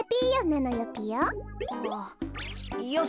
よし！